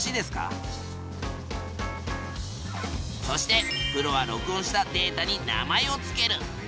そしてプロは録音したデータに名前をつける。